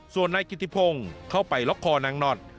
ส่วนนายกิติพงศ์เข้าไปล็อกคอนางหนอด